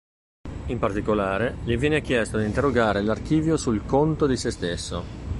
In particolare, gli viene chiesto di interrogare l'archivio sul conto di se stesso.